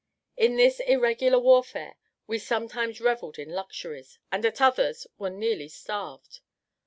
In this irregular warfare, we sometimes revelled in luxuries, and at others were nearly starved.